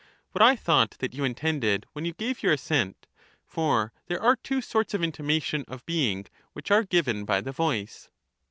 What I thought that you intended when you gave your assent ; for there are two sorts of intimation of being which are given by the voice.